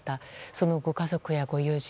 そのご家族やご友人